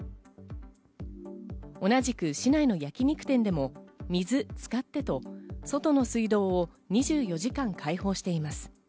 同じく市内の焼肉店でも「水使って！！」と外の水道を２４時間、開放しています。